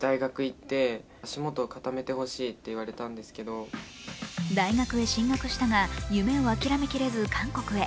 １９歳大学へ進学したが夢をあきらめきれず韓国へ。